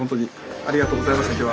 ありがとうございました今日は。